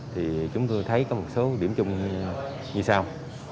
thì chúng tôi thấy có một số điểm chung như sau